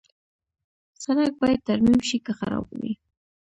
سړک باید ترمیم شي که خراب وي.